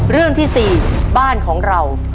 เรื่องที่๔บ้านของเรา